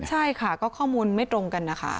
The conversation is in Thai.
ใช่ค่ะก็ข้อมูลไม่ตรงกันนะคะ